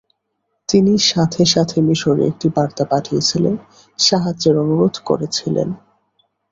তিনি সাথেসাথে মিশরে একটি বার্তা পাঠিয়েছিলেন, সাহায্যের অনুরোধ করেছিলেন।